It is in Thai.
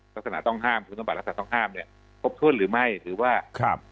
ลักษณะต้องห้ามธุรกิจต้องห้ามเนี่ยพบชวนหรือไม่หรือว่าครับ